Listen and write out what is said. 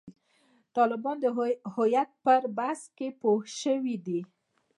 طالبان د هویت پر بحث کې پوه شوي دي.